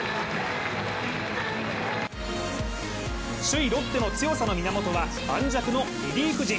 首位・ロッテの強さの源は磐石のリリーフ陣。